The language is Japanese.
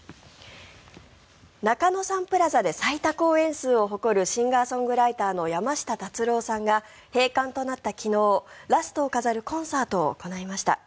中野サンプラザで最多公演数を誇るシンガー・ソングライターの山下達郎さんが閉館となった昨日ラストを飾るコンサートを行いました。